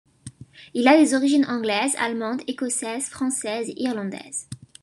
Il a des origines anglaises, allemandes, écossaises, françaises et irlandaises.